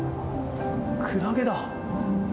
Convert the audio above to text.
クラゲだ。